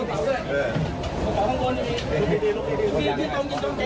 บอกซาไข่